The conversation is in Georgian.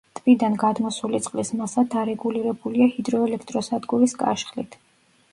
ტბიდან გადმოსული წყლის მასა დარეგულირებულია ჰიდროელექტროსადგურის კაშხლით.